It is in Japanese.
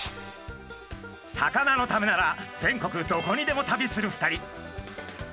魚のためなら全国どこにでも旅する２人。